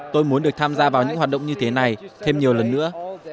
tôi muốn được tham gia vào những hoạt động như thế này thêm nhiều lần nữa